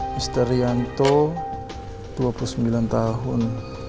mister rianto dua puluh sembilan tahun